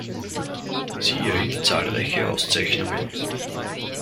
Sie erhielt zahlreiche Auszeichnungen.